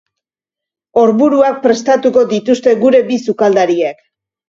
Orburuak prestatuko dituzte gure bi sukaldariek.